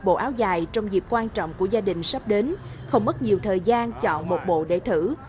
bộ áo dài trong dịp quan trọng của gia đình sắp đến không mất nhiều thời gian chọn một bộ để thử